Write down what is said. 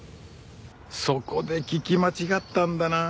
そこで聞き間違ったんだなあ。